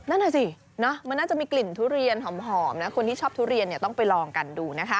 นั่นน่ะสิมันน่าจะมีกลิ่นทุเรียนหอมนะคนที่ชอบทุเรียนต้องไปลองกันดูนะคะ